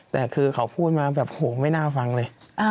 แต่คือเขาพูดมาแบบโหไม่น่าฟังเลย